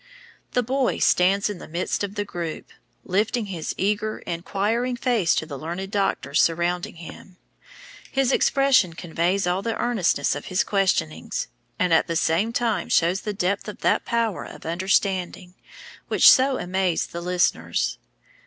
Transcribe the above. The boy stands in the midst of the group, lifting his eager, inquiring face to the learned doctors surrounding him. His expression conveys all the earnestness of his questionings, and at the same time shows the depth of that power of understanding which so amazed the listeners.